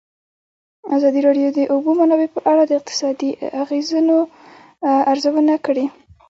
ازادي راډیو د د اوبو منابع په اړه د اقتصادي اغېزو ارزونه کړې.